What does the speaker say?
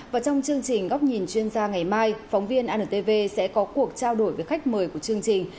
và trong chương trình góc nhìn chuyên gia ngày mai phóng viên antv sẽ có cuộc trao đổi với khách mời của chương trình